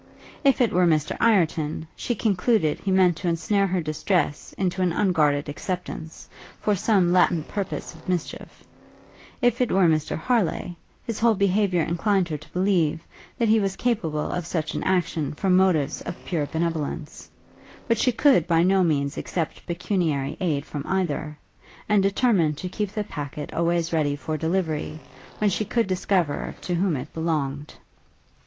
If it were Mr Ireton, she concluded he meant to ensnare her distress into an unguarded acceptance, for some latent purpose of mischief; if it were Mr Harleigh, his whole behaviour inclined her to believe, that he was capable of such an action from motives of pure benevolence: but she could by no means accept pecuniary aid from either, and determined to keep the packet always ready for delivery, when she could discover to whom it belonged.